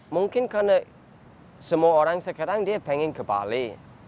mungkin karena semua orang sekarang dia pengen ke bali